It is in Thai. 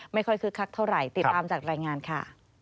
ไม่ค่อยคือคักเท่าไหร่ติดตามจากรายงานค่ะ